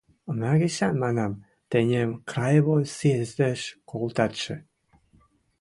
— Ма гишӓн, манам, тӹньӹм краевой съездӹш колтатшы?